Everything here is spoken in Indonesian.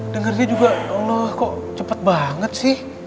dengarnya juga allah kok cepet banget sih